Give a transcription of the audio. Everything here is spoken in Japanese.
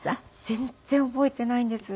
全然覚えていないんです。